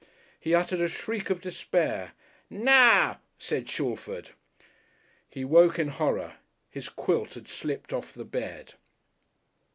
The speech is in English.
He uttered a shriek of despair. "Now!" said Shalford. He woke in horror, his quilt had slipped off the bed.